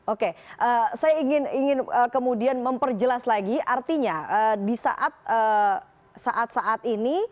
oke saya ingin kemudian memperjelas lagi artinya di saat saat ini